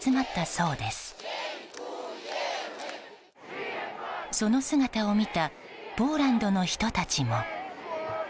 その姿を見たポーランドの人たちも。